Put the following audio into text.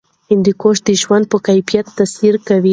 هندوکش د ژوند په کیفیت تاثیر کوي.